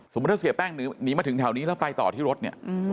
ถ้าเสียแป้งหนีมาถึงแถวนี้แล้วไปต่อที่รถเนี่ย